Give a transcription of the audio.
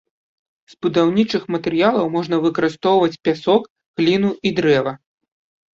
З будаўнічых матэрыялаў можна выкарыстоўваць пясок, гліну і дрэва.